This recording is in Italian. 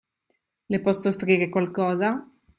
Le posso offrire qualcosa?